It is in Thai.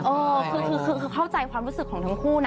เออคือเข้าใจความรู้สึกของทั้งคู่นะ